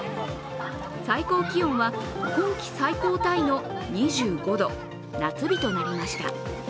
最高気温は今季最高タイの２５度、夏日となりました。